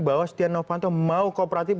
bahwa setia novanto mau kooperatif